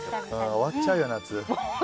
終わっちゃうよ、夏。